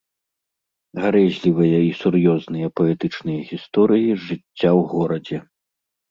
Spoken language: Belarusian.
Гарэзлівыя і сур'ёзныя паэтычныя гісторыі з жыцця ў горадзе.